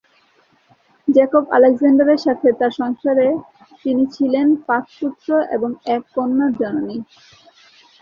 Jacob আলেকজান্ডারের সাথে তার সংসারে তিনি ছিলেন পাঁচ পুত্র এবং এক কন্যার জননী।